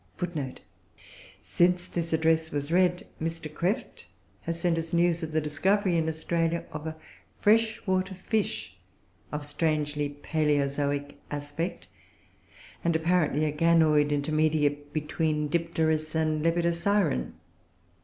[Footnote 7: Since this Address was read, Mr. Krefft has sent us news of the discovery in Australia of a freshwater fish of strangely Palaeozoic aspect, and apparently a Ganoid intermediate between Dipterus and Lepidosiren.